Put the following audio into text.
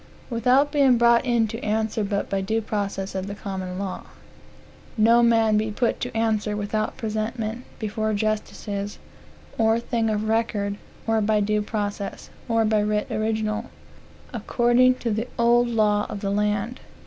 "Without being brought in to answer but by due process of the common law." "No man be put to answer without presentment before justices, or thing of record, or by due process, or by writ original, according to the old law of the land."